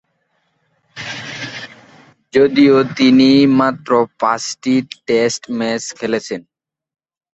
যদিও তিনি মাত্র পাঁচটি টেস্ট ম্যাচ খেলেছেন।